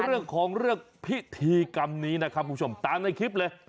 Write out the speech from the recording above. เรื่องของเรื่องพิธีกรรมนี้นะครับคุณผู้ชมตามในคลิปเลย